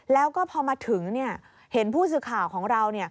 แล้วก็พอมาถึงเห็นผู้สื่อข่าวของเรา